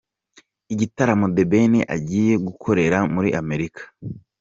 Igitaramo The Ben agiye gukorera muri Amerika.